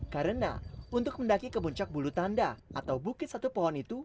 karena untuk mendaki ke puncak bulu tanda atau bukit satu pohon itu